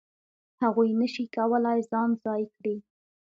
هغوی نه شي کولای ځان ځای کړي.